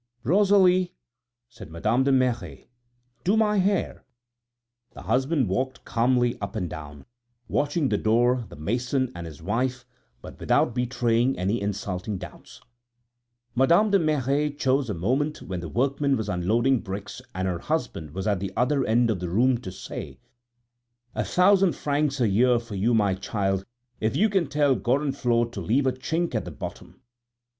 "Rosalie," said Madame de Merret, "do my hair." The husband walked calmly up and down, watching the door, the mason, and his wife, but without betraying any insulting doubts. Madame de Merret chose a moment when the workman was unloading bricks and her husband was at the other end of the room to say to Rosalie: "A thousand francs a year for you, my child, if you can tell Gorenflot to leave a chink at the bottom."